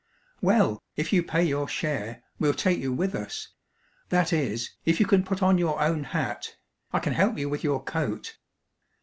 "Well, if you pay your share, we'll take you with us that is, if you can put on your own hat. I can help you with your coat."